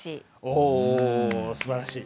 おすばらしい。